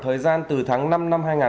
thời gian từ tháng năm năm hai nghìn hai mươi